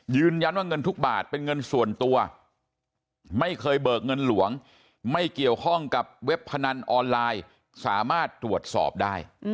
ยืนยันว่าเงินทุกบาทเป็นเงินส่วนตัวไม่เคยเบิกเงินหลวงไม่เกี่ยวข้องกับเว็บพนันออนไลน์สามารถตรวจสอบได้